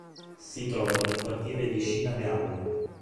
Si trova nel quartiere di Shinagawa.